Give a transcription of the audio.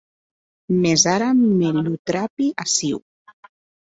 Mès ara me lo trapi aciu.